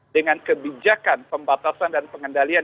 dengan kebijakan pembatasan dan pengendalian